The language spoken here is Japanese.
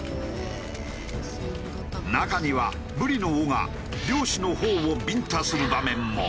中にはブリの尾が漁師の頬をビンタする場面も。